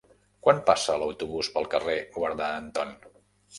Quan passa l'autobús pel carrer Guarda Anton?